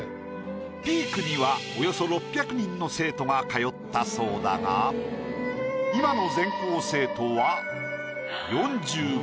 ピークにはおよそ６００人の生徒が通ったそうだが今の。